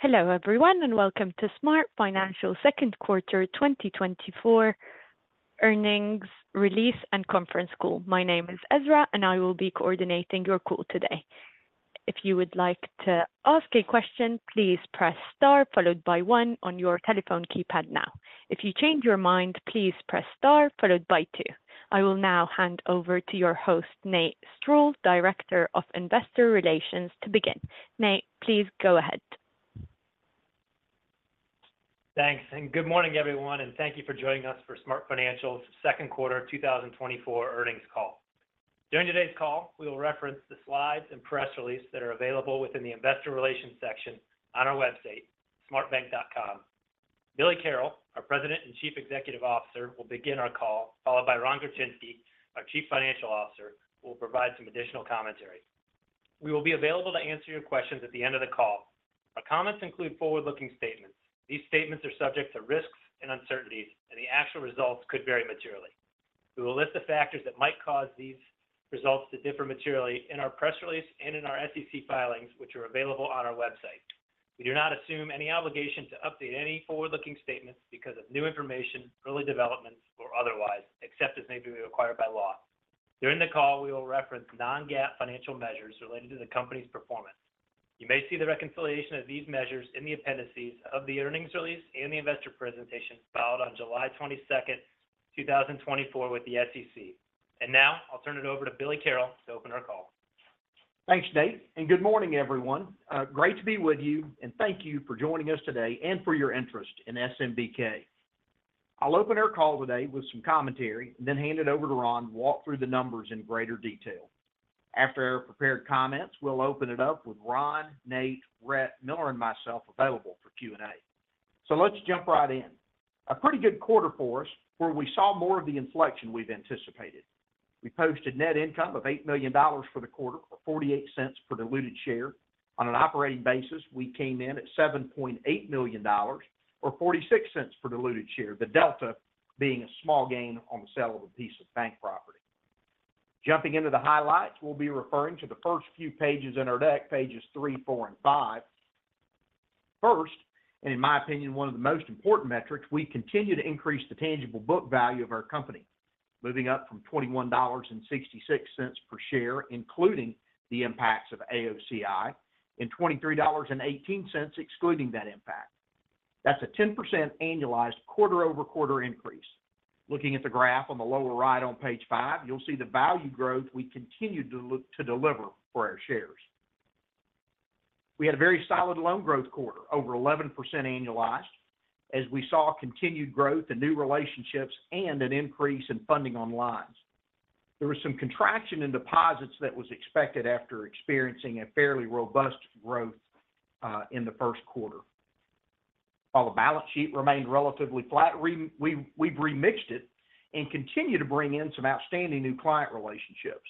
Hello, everyone, and welcome to SmartFinancial's second quarter 2024 earnings release and conference call. My name is Ezra, and I will be coordinating your call today. If you would like to ask a question, please press Star followed by 1 on your telephone keypad now. If you change your mind, please press Star followed by 2. I will now hand over to your host, Nate Stroud, Director of Investor Relations, to begin. Nate, please go ahead. Thanks, and good morning, everyone, and thank you for joining us for SmartFinancial's second quarter 2024 earnings call. During today's call, we will reference the slides and press release that are available within the Investor Relations section on our website, smartbank.com. Billy Carroll, our President and Chief Executive Officer, will begin our call, followed by Ron Gorczynski, our Chief Financial Officer, who will provide some additional commentary. We will be available to answer your questions at the end of the call. Our comments include forward-looking statements. These statements are subject to risks and uncertainties, and the actual results could vary materially. We will list the factors that might cause these results to differ materially in our press release and in our SEC filings, which are available on our website. We do not assume any obligation to update any forward-looking statements because of new information, early developments, or otherwise, except as may be required by law. During the call, we will reference Non-GAAP financial measures related to the company's performance. You may see the reconciliation of these measures in the appendices of the earnings release and the investor presentation filed on July twenty-second, two thousand and twenty-four, with the SEC. Now I'll turn it over to Billy Carroll to open our call. Thanks, Nate, and good morning, everyone. Great to be with you, and thank you for joining us today and for your interest in SMBK. I'll open our call today with some commentary, then hand it over to Ron to walk through the numbers in greater detail. After our prepared comments, we'll open it up with Ron, Nate, Rhett, Miller, and myself available for Q&A. So let's jump right in. A pretty good quarter for us, where we saw more of the inflection we've anticipated. We posted net income of $8 million for the quarter, or $0.48 per diluted share. On an operating basis, we came in at $7.8 million, or $0.46 per diluted share, the delta being a small gain on the sale of a piece of bank property. Jumping into the highlights, we'll be referring to the first few pages in our deck, pages 3, 4, and 5. First, and in my opinion, one of the most important metrics, we continue to increase the tangible book value of our company, moving up from $21.66 per share, including the impacts of AOCI, and $23.18, excluding that impact. That's a 10% annualized quarter-over-quarter increase. Looking at the graph on the lower right on page 5, you'll see the value growth we continued to deliver for our shares. We had a very solid loan growth quarter, over 11% annualized, as we saw continued growth and new relationships and an increase in funding on lines. There was some contraction in deposits that was expected after experiencing a fairly robust growth in the first quarter. While the balance sheet remained relatively flat, we, we've remixed it and continue to bring in some outstanding new client relationships.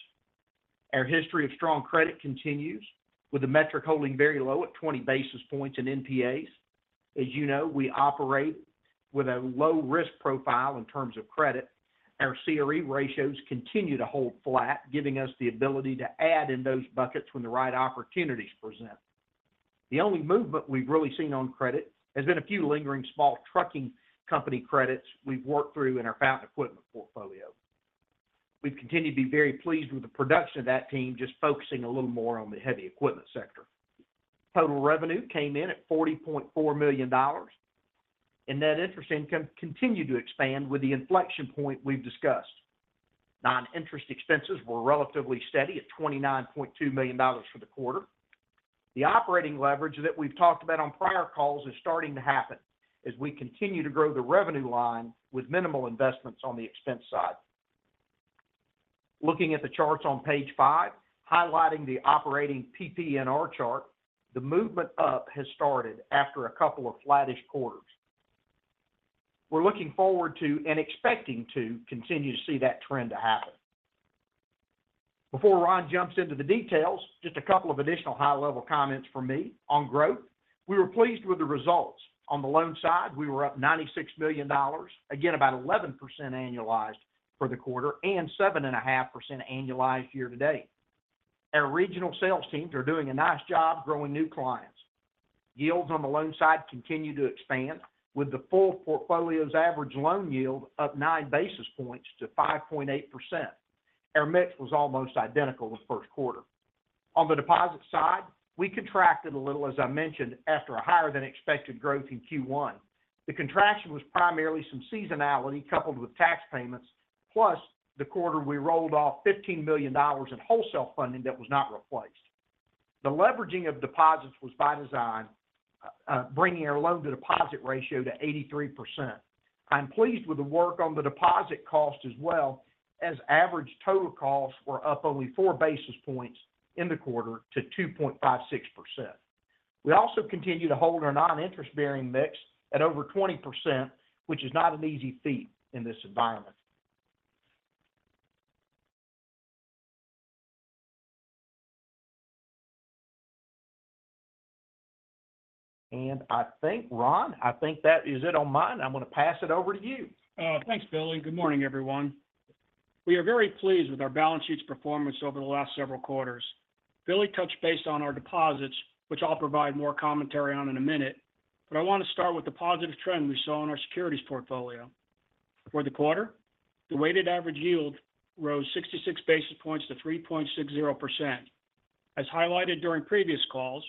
Our history of strong credit continues, with the metric holding very low at 20 basis points in NPAs. As you know, we operate with a low risk profile in terms of credit. Our CRE ratios continue to hold flat, giving us the ability to add in those buckets when the right opportunities present. The only movement we've really seen on credit has been a few lingering small trucking company credits we've worked through in our Fountain Equipment portfolio. We've continued to be very pleased with the production of that team, just focusing a little more on the heavy equipment sector. Total revenue came in at $40.4 million, and net interest income continued to expand with the inflection point we've discussed. Non-interest expenses were relatively steady at $29.2 million for the quarter. The operating leverage that we've talked about on prior calls is starting to happen as we continue to grow the revenue line with minimal investments on the expense side. Looking at the charts on page 5, highlighting the operating PPNR chart, the movement up has started after a couple of flattish quarters. We're looking forward to and expecting to continue to see that trend to happen. Before Ron jumps into the details, just a couple of additional high-level comments from me on growth. We were pleased with the results. On the loan side, we were up $96 million, again, about 11% annualized for the quarter and 7.5% annualized year to date. Our regional sales teams are doing a nice job growing new clients. Yields on the loan side continue to expand, with the full portfolio's average loan yield up 9 basis points to 5.8%. Our mix was almost identical the first quarter. On the deposit side, we contracted a little, as I mentioned, after a higher than expected growth in Q1. The contraction was primarily some seasonality coupled with tax payments, plus the quarter we rolled off $15 million in wholesale funding that was not replaced. The leveraging of deposits was by design, bringing our loan-to-deposit ratio to 83%. I'm pleased with the work on the deposit cost as well, as average total costs were up only 4 basis points in the quarter to 2.56%. We also continue to hold our non-interest-bearing mix at over 20%, which is not an easy feat in this environment. I think, Ron, I think that is it on mine. I'm going to pass it over to you. Thanks, Billy. Good morning, everyone. ... We are very pleased with our balance sheet's performance over the last several quarters. Billy touched base on our deposits, which I'll provide more commentary on in a minute, but I want to start with the positive trend we saw in our securities portfolio. For the quarter, the weighted average yield rose 66 basis points to 3.60%. As highlighted during previous calls,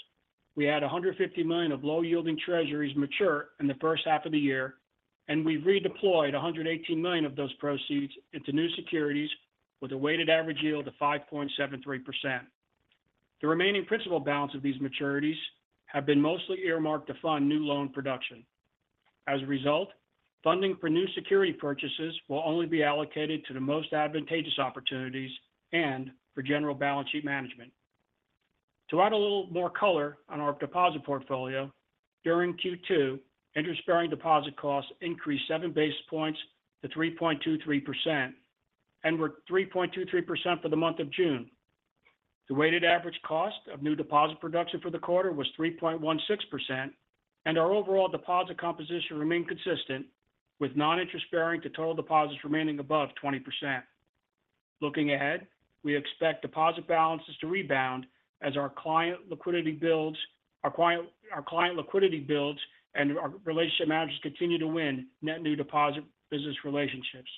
we had $150 million of low-yielding treasuries mature in the first half of the year, and we redeployed $118 million of those proceeds into new securities with a weighted average yield of 5.73%. The remaining principal balance of these maturities have been mostly earmarked to fund new loan production. As a result, funding for new security purchases will only be allocated to the most advantageous opportunities and for general balance sheet management. To add a little more color on our deposit portfolio, during Q2, interest-bearing deposit costs increased 7 basis points to 3.23% and were 3.23% for the month of June. The weighted average cost of new deposit production for the quarter was 3.16%, and our overall deposit composition remained consistent, with non-interest bearing to total deposits remaining above 20%. Looking ahead, we expect deposit balances to rebound as our client liquidity builds and our relationship managers continue to win net new deposit business relationships.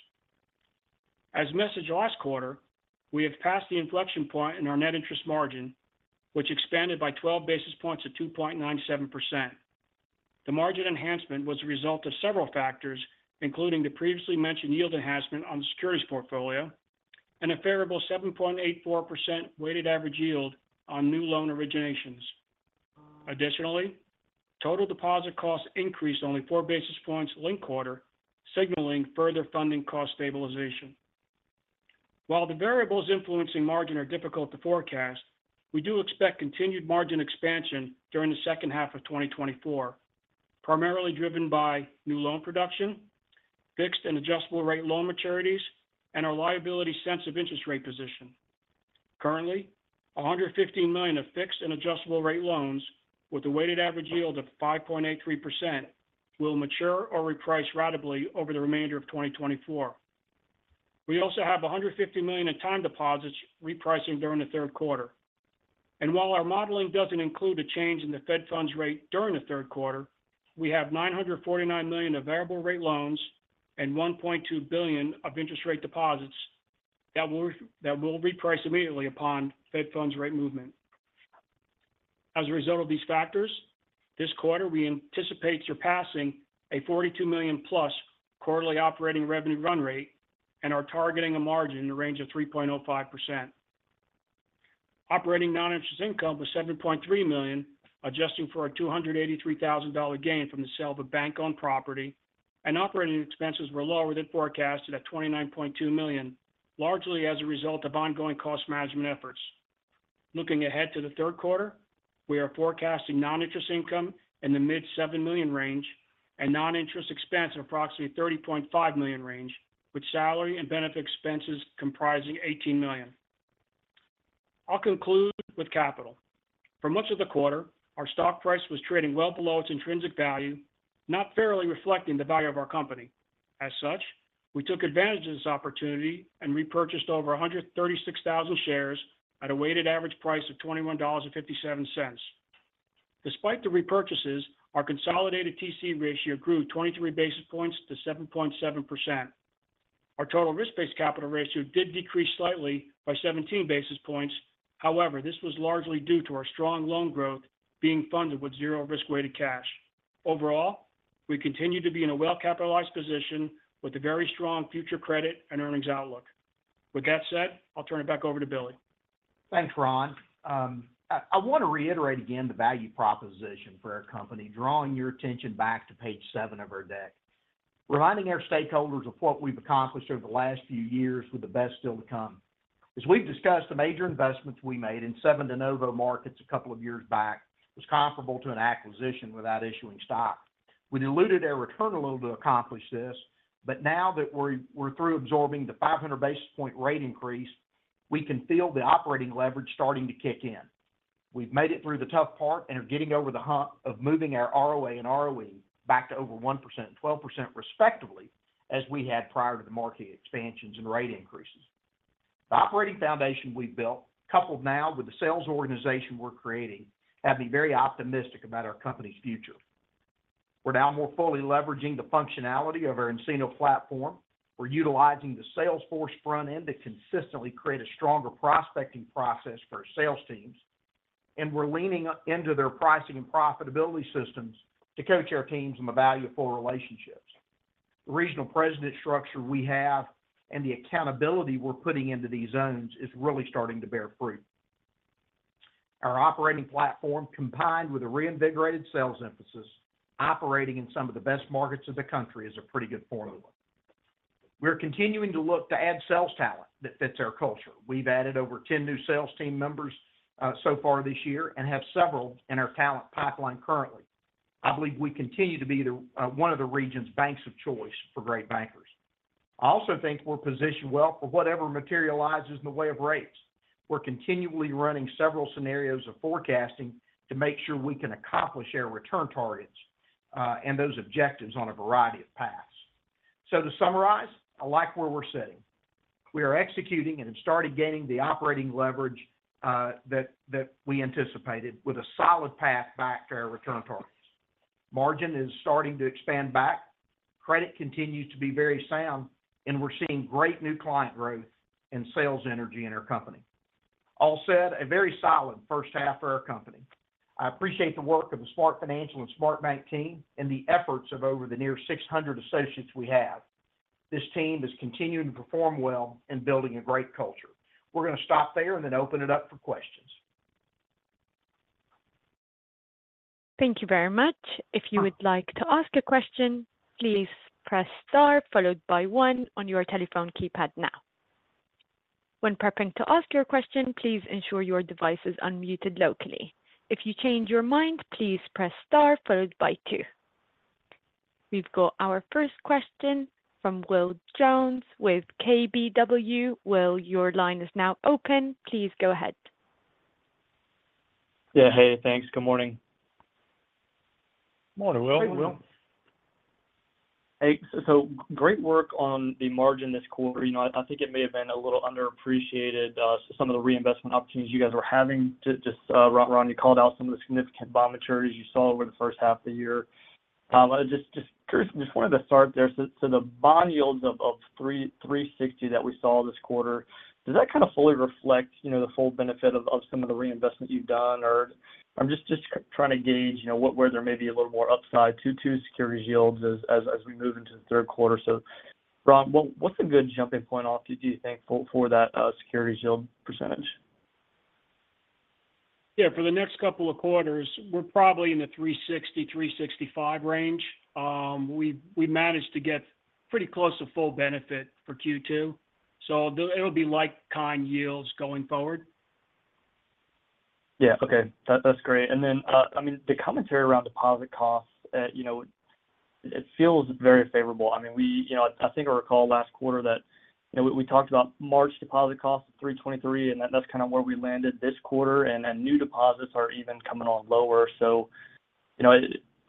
As mentioned last quarter, we have passed the inflection point in our net interest margin, which expanded by 12 basis points to 2.97%. The margin enhancement was a result of several factors, including the previously mentioned yield enhancement on the securities portfolio and a favorable 7.84% weighted average yield on new loan originations. Additionally, total deposit costs increased only four basis points linked quarter, signaling further funding cost stabilization. While the variables influencing margin are difficult to forecast, we do expect continued margin expansion during the second half of 2024, primarily driven by new loan production, fixed and adjustable-rate loan maturities, and our liability-sensitive interest rate position. Currently, $150 million of fixed and adjustable-rate loans with a weighted average yield of 5.83% will mature or reprice ratably over the remainder of 2024. We also have $150 million in time deposits repricing during the third quarter. While our modeling doesn't include a change in the Fed funds rate during the third quarter, we have $949 million of variable-rate loans and $1.2 billion of interest rate deposits that will, that will reprice immediately upon Fed funds rate movement. As a result of these factors, this quarter, we anticipate surpassing a $42 million+ quarterly operating revenue run rate and are targeting a margin in the range of 3.05%. Operating non-interest income was $7.3 million, adjusting for a $283,000 gain from the sale of a bank-owned property, and operating expenses were lower than forecasted at $29.2 million, largely as a result of ongoing cost management efforts. Looking ahead to the third quarter, we are forecasting non-interest income in the mid-$7 million range and non-interest expense in approximately $30.5 million range, with salary and benefit expenses comprising $18 million. I'll conclude with capital. For much of the quarter, our stock price was trading well below its intrinsic value, not fairly reflecting the value of our company. As such, we took advantage of this opportunity and repurchased over 136,000 shares at a weighted average price of $21.57. Despite the repurchases, our consolidated TC ratio grew 23 basis points to 7.7%. Our total risk-based capital ratio did decrease slightly by 17 basis points. However, this was largely due to our strong loan growth being funded with zero risk-weighted cash. Overall, we continue to be in a well-capitalized position with a very strong future credit and earnings outlook. With that said, I'll turn it back over to Billy. Thanks, Ron. I want to reiterate again the value proposition for our company, drawing your attention back to page seven of our deck, reminding our stakeholders of what we've accomplished over the last few years with the best still to come. As we've discussed, the major investments we made in 7 de novo markets a couple of years back was comparable to an acquisition without issuing stock. We diluted our return a little to accomplish this, but now that we're through absorbing the 500 basis point rate increase, we can feel the operating leverage starting to kick in. We've made it through the tough part and are getting over the hump of moving our ROA and ROE back to over 1% and 12% respectively, as we had prior to the market expansions and rate increases. The operating foundation we've built, coupled now with the sales organization we're creating, have me very optimistic about our company's future. We're now more fully leveraging the functionality of our nCino platform. We're utilizing the Salesforce front end to consistently create a stronger prospecting process for our sales teams, and we're leaning into their pricing and profitability systems to coach our teams on the value of full relationships. The regional president structure we have and the accountability we're putting into these zones is really starting to bear fruit. Our operating platform, combined with a reinvigorated sales emphasis, operating in some of the best markets in the country, is a pretty good formula. We're continuing to look to add sales talent that fits our culture. We've added over 10 new sales team members so far this year and have several in our talent pipeline currently. I believe we continue to be the one of the region's banks of choice for great bankers. I also think we're positioned well for whatever materializes in the way of rates. We're continually running several scenarios of forecasting to make sure we can accomplish our return targets... and those objectives on a variety of paths. So to summarize, I like where we're sitting. We are executing and have started gaining the operating leverage that we anticipated, with a solid path back to our return targets. Margin is starting to expand back, credit continues to be very sound, and we're seeing great new client growth and sales energy in our company. All said, a very solid first half for our company. I appreciate the work of the SmartFinancial and SmartBank team and the efforts of over the near 600 associates we have. This team is continuing to perform well and building a great culture. We're gonna stop there and then open it up for questions. Thank you very much. If you would like to ask a question, please press Star, followed by One on your telephone keypad now. When prepping to ask your question, please ensure your device is unmuted locally. If you change your mind, please press Star followed by Two. We've got our first question from Will Jones with KBW. Will, your line is now open. Please go ahead. Yeah, hey, thanks. Good morning. Morning, Will. Hey, Will. Hey, so great work on the margin this quarter. You know, I think it may have been a little underappreciated some of the reinvestment opportunities you guys were having. Just, Ron, you called out some of the significant bond maturities you saw over the first half of the year. I just curious, just wanted to start there. So, the bond yields of 3.60% that we saw this quarter, does that kind of fully reflect, you know, the full benefit of some of the reinvestment you've done? Or I'm just trying to gauge, you know, what, where there may be a little more upside to securities yields as we move into the third quarter. So Ron, what's a good jumping off point, do you think, for that securities yield percentage? Yeah, for the next couple of quarters, we're probably in the 360, 365 range. We managed to get pretty close to full benefit for Q2, so it'll be like kind yields going forward. Yeah. Okay. That's great. And then, I mean, the commentary around deposit costs, you know, it feels very favorable. I mean, you know, I think I recall last quarter that, you know, we talked about March deposit costs of 3.23, and that's kind of where we landed this quarter, and then new deposits are even coming on lower. So, you know,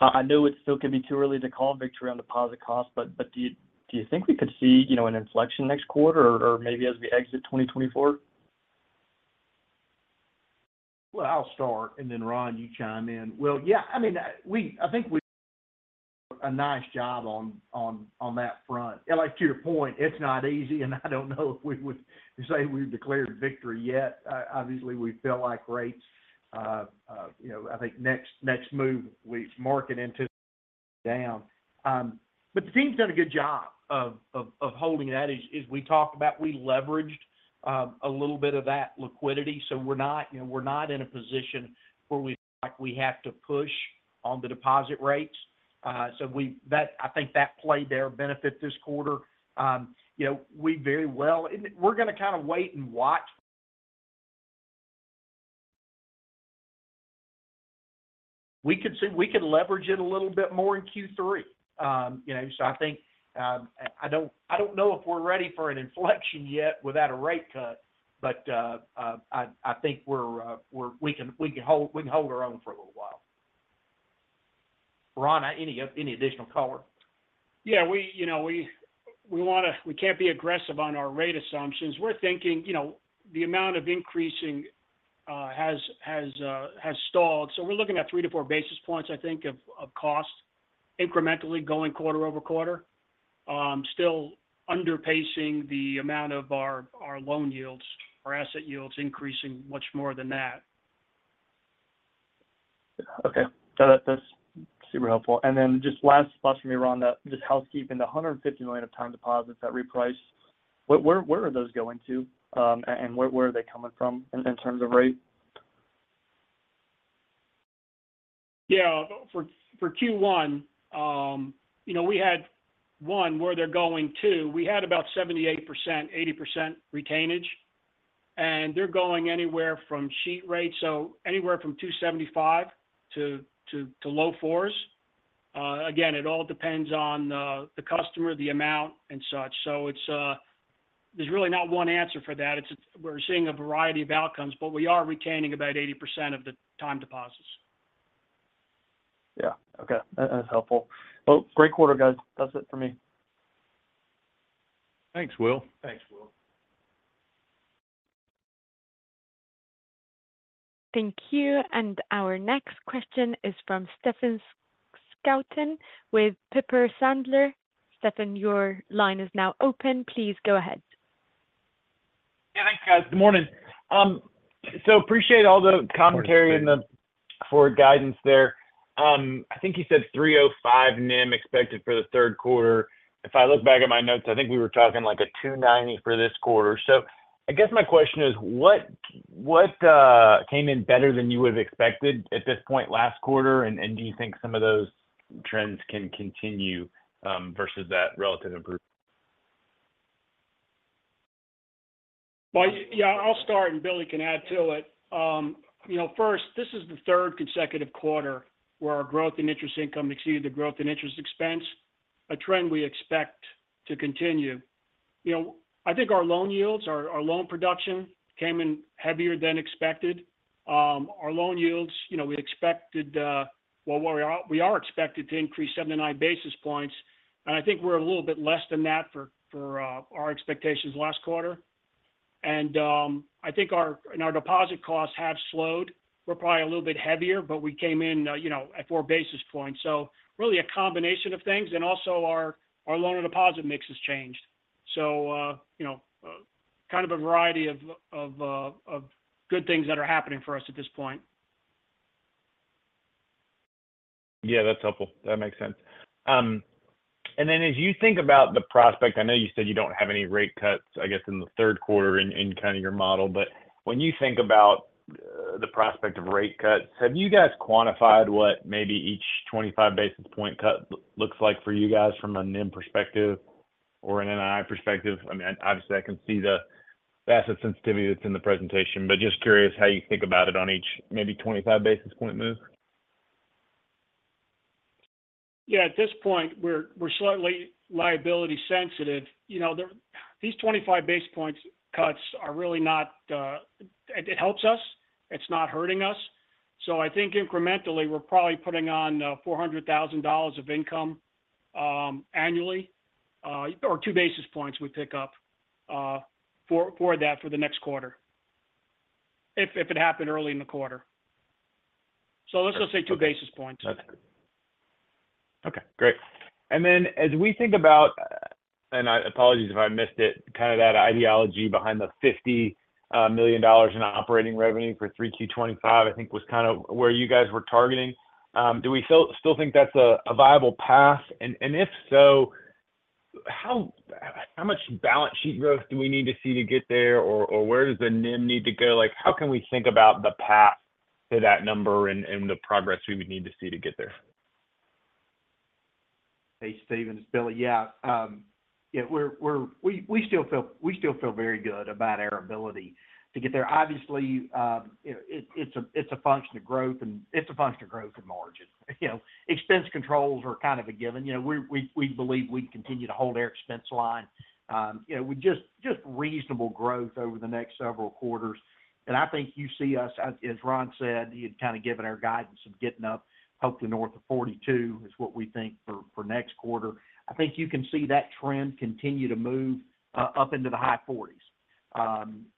I know it still could be too early to call victory on deposit costs, but do you think we could see, you know, an inflection next quarter or maybe as we exit 2024? Well, I'll start, and then Ron, you chime in. Well, yeah, I mean, we-- I think we a nice job on that front. Like, to your point, it's not easy, and I don't know if we would say we've declared victory yet. Obviously, we feel like rates, you know, I think next move, we market into down. But the team's done a good job of holding that. As we talked about, we leveraged a little bit of that liquidity, so we're not, you know, we're not in a position where we, like, we have to push on the deposit rates. So we-- That-- I think that played to our benefit this quarter. You know, we very well. And we're gonna kind of wait and watch. We could leverage it a little bit more in Q3. You know, so I think, I don't know if we're ready for an inflection yet without a rate cut, but, I think we can hold our own for a little while. Ron, any additional color? Yeah, you know, we wanna—we can't be aggressive on our rate assumptions. We're thinking, you know, the amount of increasing has stalled, so we're looking at 3-4 basis points, I think, of cost incrementally going quarter-over-quarter. Still underpacing the amount of our loan yields, our asset yields increasing much more than that. Okay. So that's super helpful. And then just last for me, Ron, just housekeeping, the $150 million of time deposits at reprice, where are those going to? And where are they coming from in terms of rate? Yeah. For Q1, you know, we had about 78%, 80% retainage, and they're going anywhere from street rate, so anywhere from 2.75 to low fours. Again, it all depends on the customer, the amount, and such. So it's... there's really not one answer for that. It's—we're seeing a variety of outcomes, but we are retaining about 80% of the time deposits. Yeah. Okay, that's helpful. Well, great quarter, guys. That's it for me. Thanks, Will. Thanks, Will. Thank you, and our next question is from Stephen Scouten, with Piper Sandler. Stephen, your line is now open. Please go ahead. Yeah, thanks, guys. Good morning. So appreciate all the commentary- Good morning, Stephen. - and the forward guidance there. I think you said 3.05 NIM expected for the third quarter. If I look back at my notes, I think we were talking like a 2.90 for this quarter. So I guess my question is: What came in better than you would have expected at this point last quarter, and do you think some of those trends can continue versus that relative improvement? Well, yeah, I'll start, and Billy can add to it. You know, first, this is the third consecutive quarter where our growth in interest income exceeded the growth in interest expense, a trend we expect to continue. You know, I think our loan yields, our loan production came in heavier than expected. Our loan yields, you know, we expected, well, we are expected to increase 79 basis points, and I think we're a little bit less than that for our expectations last quarter. And I think our and our deposit costs have slowed. We're probably a little bit heavier, but we came in, you know, at 4 basis points. So really a combination of things, and also our loan and deposit mix has changed. So, you know, kind of a variety of good things that are happening for us at this point. Yeah, that's helpful. That makes sense. And then as you think about the prospect, I know you said you don't have any rate cuts, I guess, in the third quarter in kind of your model, but when you think about the prospect of rate cuts, have you guys quantified what maybe each 25 basis point cut looks like for you guys from a NIM perspective or an NII perspective? I mean, obviously, I can see the asset sensitivity that's in the presentation, but just curious how you think about it on each, maybe 25 basis point move. Yeah, at this point, we're slightly liability sensitive. You know, the—these 25 basis points cuts are really not. It helps us. It's not hurting us. So I think incrementally, we're probably putting on $400,000 of income annually, or two basis points we pick up for that for the next quarter, if it happened early in the quarter. So let's just say two basis points. Okay, great. And then as we think about, and I apologize if I missed it, kind of that logic behind the $50 million in operating revenue for 3Q 2025, I think was kind of where you guys were targeting. Do we still think that's a viable path? And if so, how much balance sheet growth do we need to see to get there, or where does the NIM need to go? Like, how can we think about the path to that number and the progress we would need to see to get there? Hey, Stephen, it's Billy. Yeah, we're still feel very good about our ability to get there. Obviously, you know, it's a function of growth, and it's a function of growth and margin. You know, expense controls are kind of a given. You know, we believe we can continue to hold our expense line. You know, we just reasonable growth over the next several quarters. And I think you see us, as Ron said, he had kind of given our guidance of getting up, hopefully north of 42, is what we think for next quarter. I think you can see that trend continue to move up into the high 40s.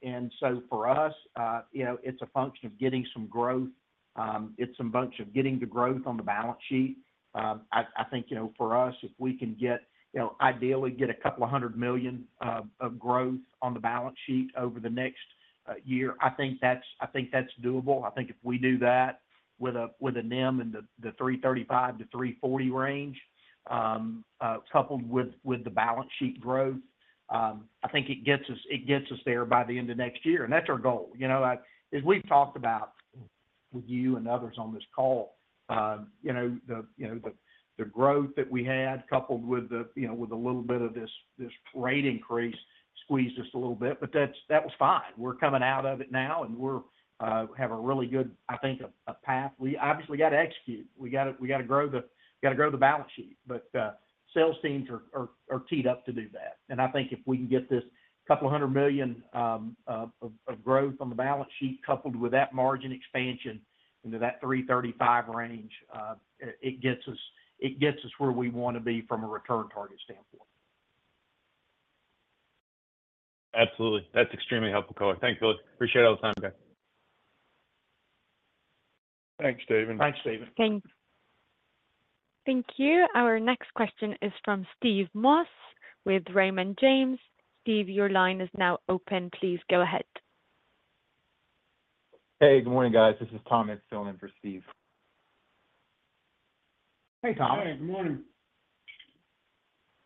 And so for us, you know, it's a function of getting some growth. It's a function of getting the growth on the balance sheet. I think, you know, for us, if we can get, you know, ideally get $200 million of growth on the balance sheet over the next year, I think that's doable. I think if we do that with a NIM in the 3.35%-3.40% range, coupled with the balance sheet growth, I think it gets us there by the end of next year, and that's our goal. You know, like, as we've talked about with you and others on this call, you know, the growth that we had, coupled with you know with a little bit of this, this rate increase, squeezed us a little bit, but that's, that was fine. We're coming out of it now, and we're have a really good, I think, a path. We obviously got to execute. We gotta grow the balance sheet, but sales teams are teed up to do that. And I think if we can get this couple of hundred million of growth on the balance sheet, coupled with that margin expansion into that 3.35 range, it gets us where we want to be from a return target standpoint. Absolutely. That's extremely helpful color. Thanks, Billy. Appreciate all the time, guys. Thanks, Stephen. Thanks, Steven. Thanks. Thank you. Our next question is from Steve Moss with Raymond James. Steve, your line is now open. Please go ahead. Hey, good morning, guys. This is Thomas filling in for Steve. Hey, Tom. Hey, good morning.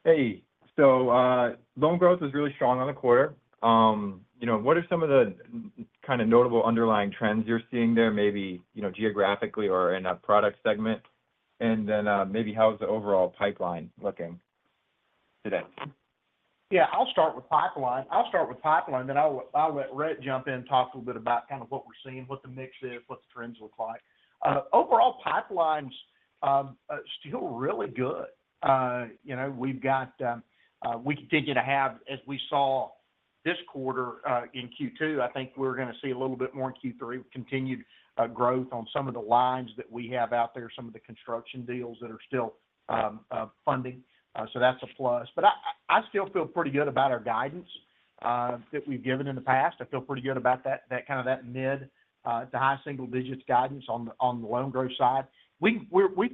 Hey, so, loan growth was really strong on the quarter. You know, what are some of the kind of notable underlying trends you're seeing there, maybe, you know, geographically or in a product segment? And then, maybe how is the overall pipeline looking today? Yeah, I'll start with pipeline, then I'll let Rhett jump in and talk a little bit about kind of what we're seeing, what the mix is, what the trends look like. Overall pipeline's are still really good. You know, we've got, we continue to have, as we saw this quarter in Q2, I think we're gonna see a little bit more in Q3, continued growth on some of the lines that we have out there, some of the construction deals that are still funding. So that's a plus. But I still feel pretty good about our guidance that we've given in the past. I feel pretty good about that, that kind of that mid to high single digits guidance on the loan growth side. We're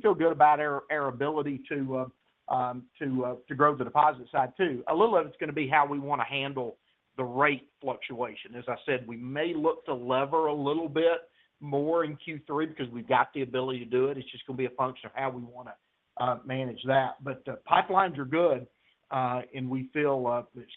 feeling good about our ability to grow the deposit side, too. A little of it's gonna be how we wanna handle the rate fluctuation. As I said, we may look to leverage a little bit more in Q3 because we've got the ability to do it. It's just gonna be a function of how we wanna manage that. But pipelines are good, and we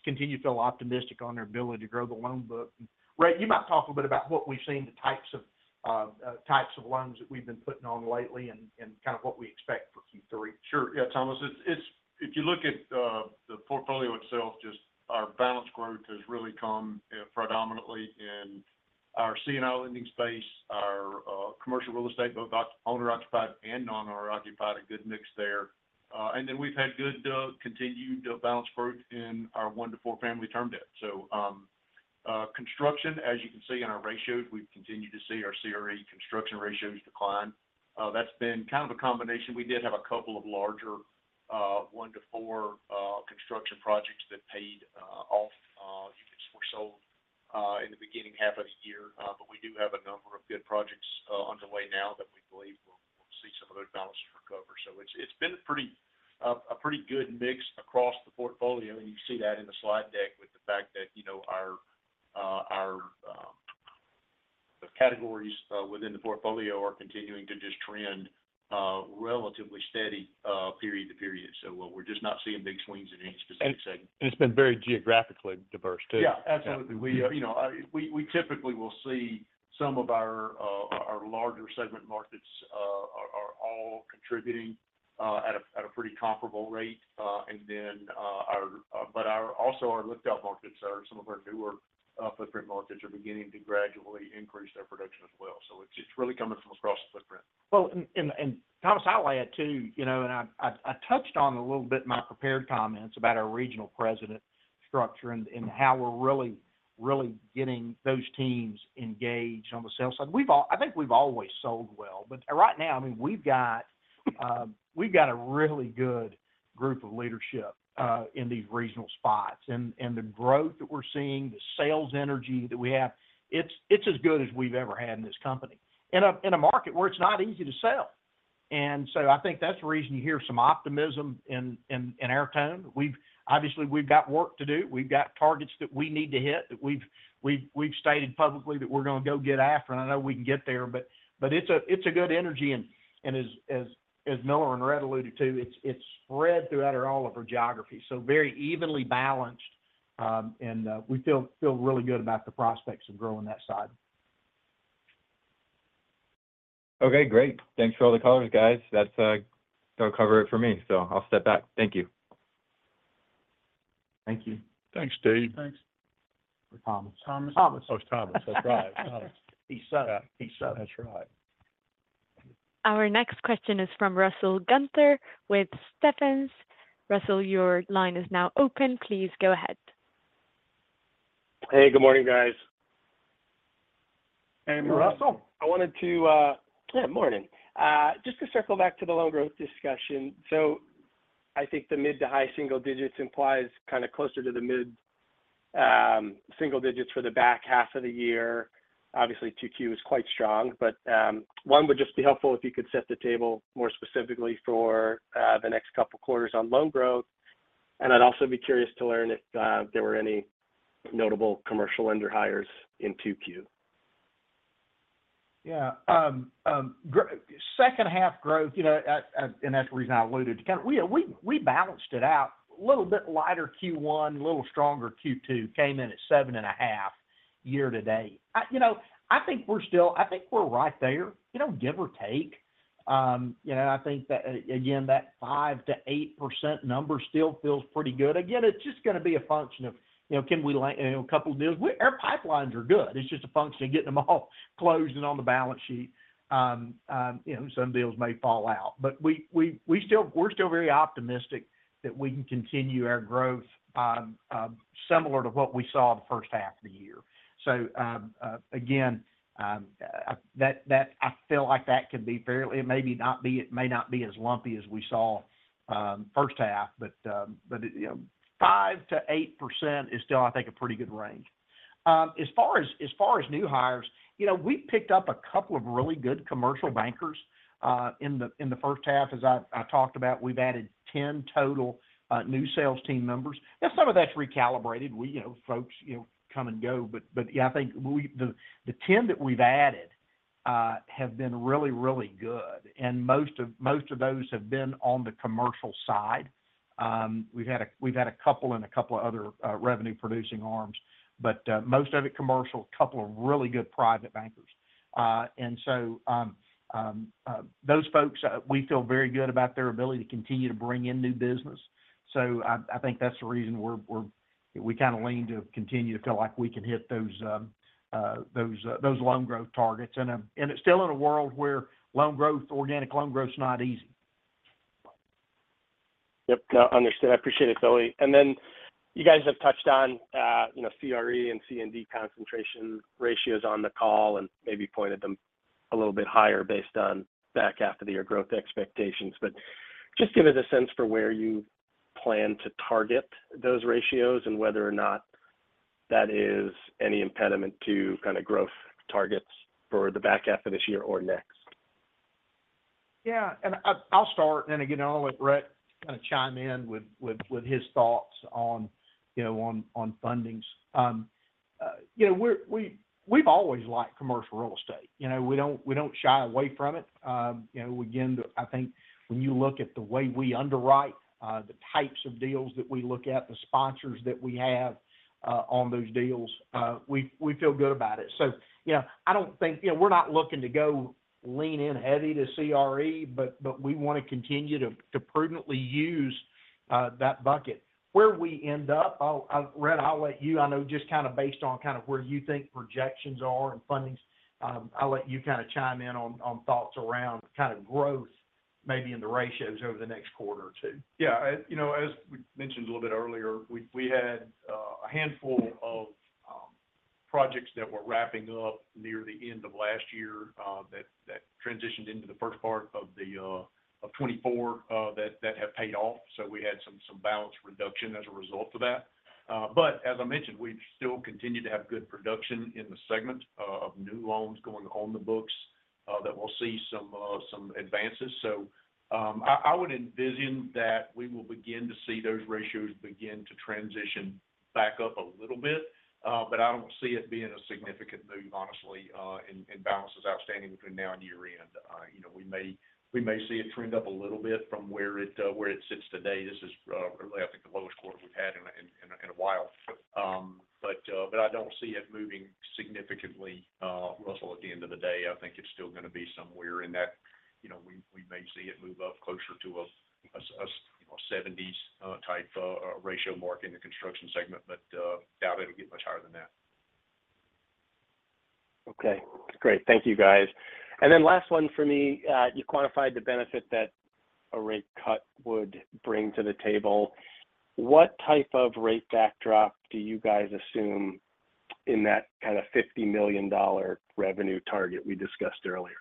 continue to feel optimistic on our ability to grow the loan book. Rhett, you might talk a little bit about what we've seen, the types of loans that we've been putting on lately and kind of what we expect for Q3. Sure. Yeah, Thomas, it's if you look at the portfolio itself, just our balance growth has really come predominantly in- ... our C&I lending space, our commercial real estate, both owner-occupied and non-owner occupied, a good mix there. And then we've had good continued balance growth in our 1-4 family term debt. So, construction, as you can see in our ratios, we've continued to see our CRE construction ratios decline. That's been kind of a combination. We did have a couple of larger 1-4 construction projects that paid off, units were sold in the beginning half of the year. But we do have a number of good projects underway now that we believe will see some of those balances recover. So it's been a pretty good mix across the portfolio, and you see that in the slide deck with the fact that, you know, our categories within the portfolio are continuing to just trend relatively steady period to period. Well, we're just not seeing big swings in any specific segment. And it's been very geographically diverse, too. Yeah, absolutely. Yeah. We, you know, we typically will see some of our larger segment markets are all contributing at a pretty comparable rate. And then, but also our de novo markets are some of our newer footprint markets are beginning to gradually increase their production as well. So it's really coming from across the footprint. Well, and Thomas, I'll add, too, you know, and I touched on a little bit in my prepared comments about our regional president structure and how we're really getting those teams engaged on the sales side. I think we've always sold well, but right now, I mean, we've got a really good group of leadership in these regional spots. And the growth that we're seeing, the sales energy that we have, it's as good as we've ever had in this company, in a market where it's not easy to sell. And so I think that's the reason you hear some optimism in our tone. Obviously, we've got work to do. We've got targets that we need to hit, that we've stated publicly that we're going to go get after, and I know we can get there. But it's a good energy, and as Miller and Rhett alluded to, it's spread throughout all of our geography, so very evenly balanced. And we feel really good about the prospects of growing that side. Okay, great. Thanks for all the colors, guys. That's, that'll cover it for me, so I'll step back. Thank you. Thank you. Thanks, Dave. Thanks. Thomas. Thomas. Thomas. Oh, Thomas, that's right. He said it. Yeah. He said it. That's right. Our next question is from Russell Gunther with Stephens. Russell, your line is now open. Please go ahead. Hey, good morning, guys. Hey, Russell. I wanted to... Yeah, morning. Just to circle back to the loan growth discussion. So I think the mid to high single digits implies kind of closer to the mid single digits for the back half of the year. Obviously, 2Q is quite strong, but one, would just be helpful if you could set the table more specifically for the next couple of quarters on loan growth. And I'd also be curious to learn if there were any notable commercial lender hires in 2Q. Yeah, second half growth, you know, and that's the reason I alluded to, kind of—we balanced it out. A little bit lighter Q1, a little stronger Q2, came in at 7.5 year to date. You know, I think we're still, I think we're right there, you know, give or take. You know, I think that, again, that 5%-8% number still feels pretty good. Again, it's just going to be a function of, you know, can we, you know, a couple of deals. Our pipelines are good. It's just a function of getting them all closed and on the balance sheet. You know, some deals may fall out. But we're still very optimistic that we can continue our growth, similar to what we saw the first half of the year. So, again, that, I feel like that could be fairly, it may not be, it may not be as lumpy as we saw, first half, but, but, you know, 5%-8% is still, I think, a pretty good range. As far as new hires, you know, we picked up a couple of really good commercial bankers, in the first half. As I talked about, we've added 10 total, new sales team members. And some of that's recalibrated. We, you know, folks, you know, come and go, but yeah, I think the 10 that we've added have been really, really good, and most of those have been on the commercial side. We've had a couple in a couple of other revenue producing arms, but most of it commercial, a couple of really good private bankers. And so, those folks, we feel very good about their ability to continue to bring in new business. So I think that's the reason we're—we kind of lean to continue to feel like we can hit those loan growth targets. And it's still in a world where loan growth, organic loan growth is not easy. Yep, understood. I appreciate it, Billy. And then you guys have touched on, you know, CRE and C&D concentration ratios on the call and maybe pointed them a little bit higher based on back half of the year growth expectations. But just give us a sense for where you plan to target those ratios and whether or not that is any impediment to kind of growth targets for the back half of this year or next. Yeah, and I'll start, and again, I'll let Rhett kind of chime in with his thoughts on, you know, on fundings. You know, we've always liked commercial real estate. You know, we don't, we don't shy away from it. You know, again, I think when you look at the way we underwrite, the types of deals that we look at, the sponsors that we have, on those deals, we feel good about it. So, you know, I don't think, you know, we're not looking to go lean in heavy to CRE, but we want to continue to prudently use that bucket. Where we end up, Rhett, I'll let you, I know just kind of based on kind of where you think projections are and fundings, I'll let you kind of chime in on thoughts around kind of growth maybe in the ratios over the next quarter or two. Yeah, as you know, as we mentioned a little bit earlier, we had a handful of projects that were wrapping up near the end of last year that transitioned into the first part of 2024 that have paid off. So we had some balance reduction as a result of that. But as I mentioned, we still continue to have good production in the segment of new loans going on the books that we'll see some advances. So I would envision that we will begin to see those ratios begin to transition back up a little bit, but I don't see it being a significant move, honestly, in balances outstanding between now and year end. You know, we may see it trend up a little bit from where it sits today. This is really, I think, the lowest quarter we've had in a while. But I don't see it moving significantly, Russell, at the end of the day. I think it's still gonna be somewhere in that—you know, we may see it move up closer to a—you know, 70s type of ratio mark in the construction segment, but doubt it'll get much higher than that. Okay, great. Thank you, guys. Last one for me. You quantified the benefit that a rate cut would bring to the table. What type of rate backdrop do you guys assume in that kind of $50 million revenue target we discussed earlier?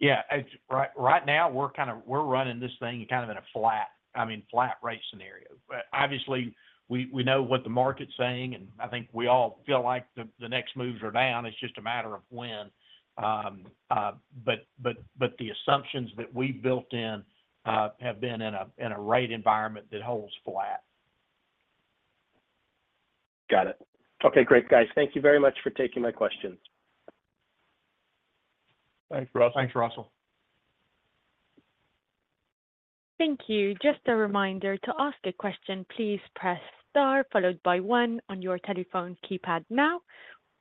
Yeah, it's right, right now, we're kind of running this thing kind of in a flat, I mean, flat rate scenario. But obviously, we know what the market's saying, and I think we all feel like the next moves are down, it's just a matter of when. But the assumptions that we built in have been in a rate environment that holds flat. Got it. Okay, great, guys. Thank you very much for taking my questions. Thanks, Russell. Thanks, Russell. Thank you. Just a reminder, to ask a question, please press Star, followed by one on your telephone keypad now.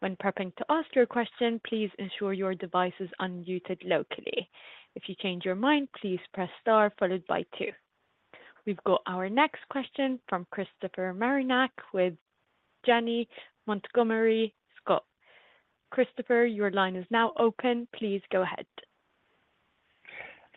When prepping to ask you a question, please ensure your device is unmuted locally. If you change your mind, please press Star followed by two. We've got our next question from Christopher Marinac with Janney Montgomery Scott. Christopher, your line is now open. Please go ahead.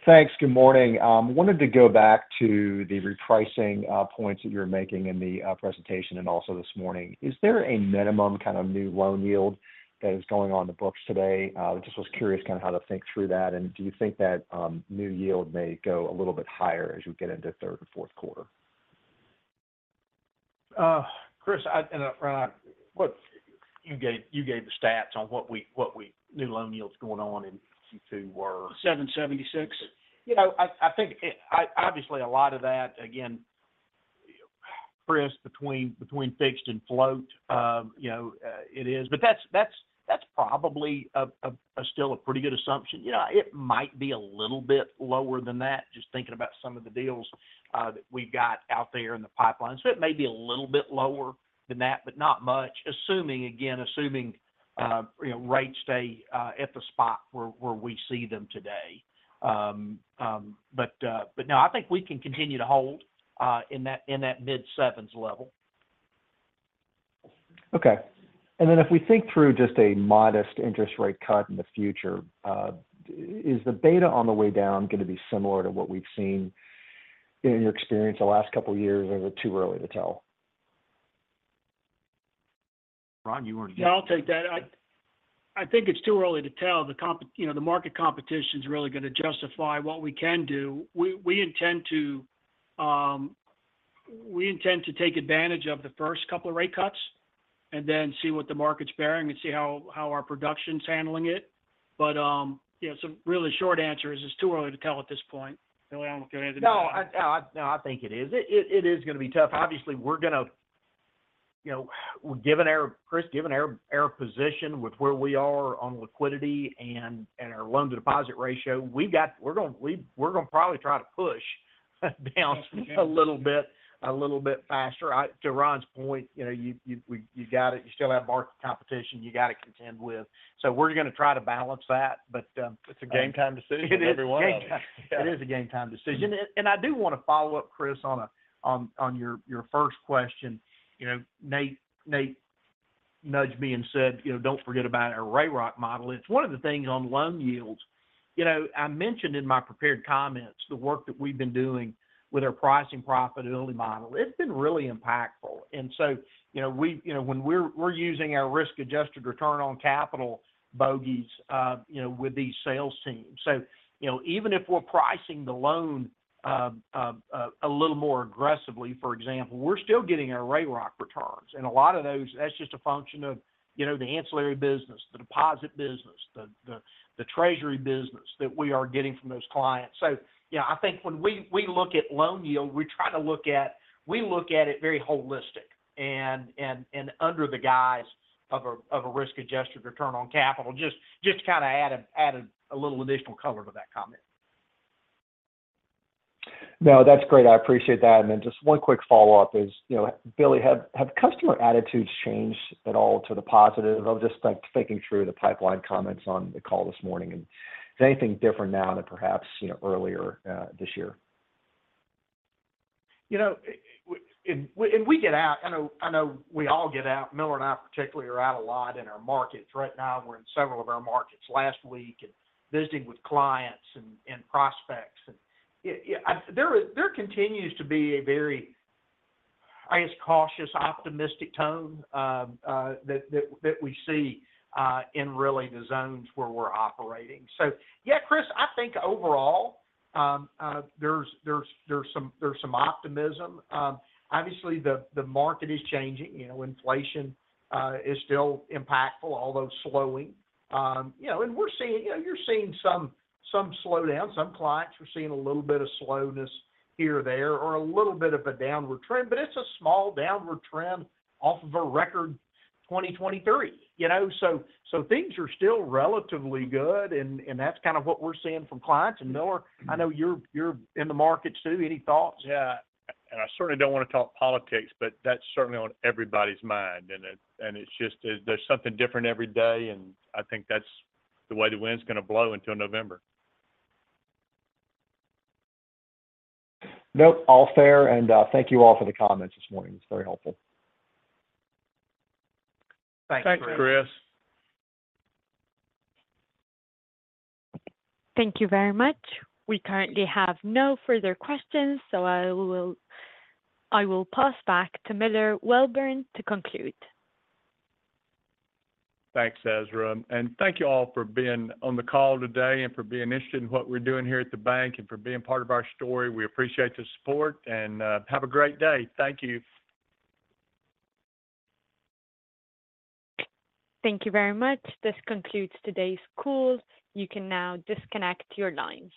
Thanks. Good morning. Wanted to go back to the repricing, points that you were making in the, presentation and also this morning. Is there a minimum kind of new loan yield that is going on the books today? Just was curious kind of how to think through that. And do you think that, new yield may go a little bit higher as you get into third and fourth quarter? Chris, and look, you gave the stats on new loan yields going on in Q2 were 7.76%. You know, I think, obviously, a lot of that, again, pressed between fixed and float, you know, it is. But that's probably still a pretty good assumption. You know, it might be a little bit lower than that, just thinking about some of the deals that we've got out there in the pipeline. So it may be a little bit lower than that, but not much, assuming, again, you know, rates stay at the spot where we see them today. But no, I think we can continue to hold in that mid-sevens level. Okay. And then if we think through just a modest interest rate cut in the future, is the beta on the way down going to be similar to what we've seen in your experience the last couple of years, or is it too early to tell? Ron, you want to. Yeah, I'll take that. I think it's too early to tell. The competition, you know, the market competition is really going to justify what we can do. We intend to take advantage of the first couple of rate cuts and then see what the market's bearing and see how our production's handling it. But, you know, so really short answer is, it's too early to tell at this point. Billy, I don't know if you have anything to add. No, no, I think it is. It is gonna be tough. Obviously, we're gonna, you know, given our, Chris, given our position with where we are on liquidity and our loan-to-deposit ratio, we're gonna probably try to push down a little bit, a little bit faster. To Ron's point, you know, you got it, you still have market competition you got to contend with. So we're gonna try to balance that, but It's a game-time decision, every one of them. It is a game-time decision. I do want to follow up, Chris, on your first question. You know, Nate nudged me and said, "You know, don't forget about our RAROC model." It's one of the things on loan yields. You know, I mentioned in my prepared comments the work that we've been doing with our pricing profitability model. It's been really impactful. And so, you know, we, you know, when we're using our risk-adjusted return on capital bogeys, you know, with these sales teams. So, you know, even if we're pricing the loan, a little more aggressively, for example, we're still getting our RAROC returns. And a lot of those, that's just a function of, you know, the ancillary business, the deposit business, the treasury business that we are getting from those clients. You know, I think when we look at loan yield, we try to look at—we look at it very holistic and under the guise of a risk-adjusted return on capital, just to kind of add a little additional color to that comment. No, that's great. I appreciate that. And then just one quick follow-up is, you know, Billy, have, have customer attitudes changed at all to the positive? I'm just like thinking through the pipeline comments on the call this morning, and is anything different now than perhaps, you know, earlier this year?... you know, and we get out, I know, I know we all get out. Miller and I particularly are out a lot in our markets. Right now, we're in several of our markets last week, and visiting with clients and prospects. And there continues to be a very, I guess, cautious, optimistic tone that we see in really the zones where we're operating. So, yeah, Chris, I think overall, there's some optimism. Obviously, the market is changing. You know, inflation is still impactful, although slowing. You know, and we're seeing, you know, you're seeing some slowdown. Some clients, we're seeing a little bit of slowness here or there or a little bit of a downward trend, but it's a small downward trend off of a record 2023, you know? So, so things are still relatively good and, and that's kind of what we're seeing from clients. And, Miller, I know you're, you're in the markets, too. Any thoughts? Yeah, I certainly don't want to talk politics, but that's certainly on everybody's mind. And it's just, there's something different every day, and I think that's the way the wind's gonna blow until November. Nope, all fair, and thank you all for the comments this morning. It's very helpful. Thanks, Chris. Thanks, Chris. Thank you very much. We currently have no further questions, so I will pass back to Miller Welborn to conclude. Thanks, Ezra, and thank you all for being on the call today and for being interested in what we're doing here at the bank and for being part of our story. We appreciate the support, and have a great day. Thank you. Thank you very much. This concludes today's call. You can now disconnect your line.